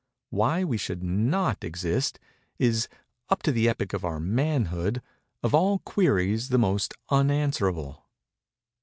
Why we should not exist, is, up to the epoch of our Manhood, of all queries the most unanswerable.